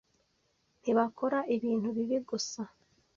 Ntibakora ibintu bibi gusa